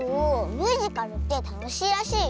ミュージカルってたのしいらしいよ。